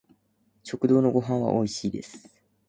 食堂のご飯は美味しいです